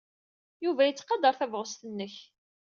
Yuba yettqadar tabɣest-nnek.